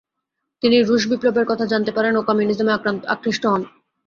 তিনি রুশ বিপ্লবের কথা জানতে পারেন ও কমিউনিজমে আকৃষ্ট হন।